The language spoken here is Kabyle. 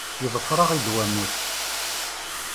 Yeḍfer-aɣ-id wammus.